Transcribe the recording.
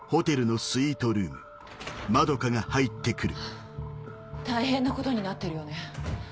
ハァ大変なことになってるよね。